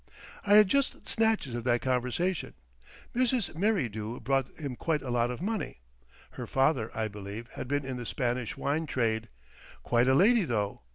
I had just snatches of that conversation. "Mrs. Merridew brought him quite a lot of money. Her father, I believe, had been in the Spanish wine trade—quite a lady though.